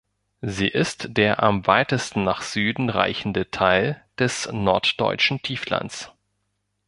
Sie ist der am weitesten nach Süden reichende Teil des Norddeutschen Tieflands.